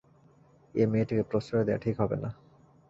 এ মেয়েটিকে প্রশ্রয় দেয়া ঠিক হবে না।